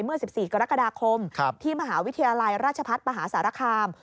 เมื่อ๑๔กรกฎาคมที่มหาวิทยาลัยราชพัฒน์มหาสารคาม